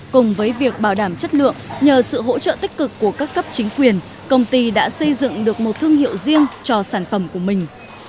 cùng với việc bảo đảm chất lượng nhờ sự hỗ trợ tích cực của các cấp chính quyền công ty đã xây dựng được một thương hiệu riêng cho sản phẩm của mình